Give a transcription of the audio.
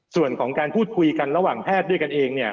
ส่วนของการพูดคุยกันระหว่างแพทย์ด้วยกันเองเนี่ย